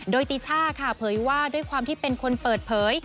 โดยติช่าค่ะเผยว่าด้วยความที่เป็นคนเปิดเผย